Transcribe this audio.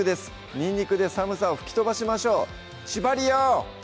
にんにくで寒さを吹き飛ばしましょうちばりよ！